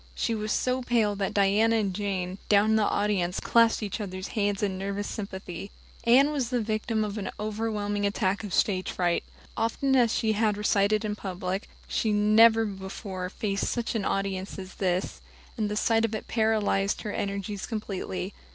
She was so pale that Diana and Jane, down in the audience, clasped each other's hands in nervous sympathy. Anne was the victim of an overwhelming attack of stage fright. Often as she had recited in public, she had never before faced such an audience as this, and the sight of it paralyzed her energies completely.